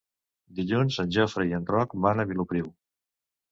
Dilluns en Jofre i en Roc van a Vilopriu.